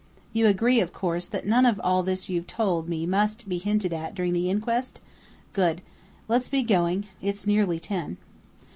You agree, of course, that none of all this you've told me must even be hinted at during the inquest?... Good! Let's be going. It's nearly ten."